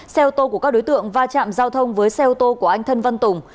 xe ô tô của các đối tượng va chạm giao thông với xe ô tô của anh thân văn tùng